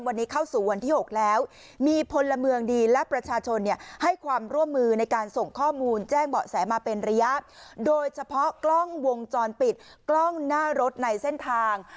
มาเป็นระยะโดยเฉพาะกล้องวงจรปิดกล้องหน้ารถในเส้นทาง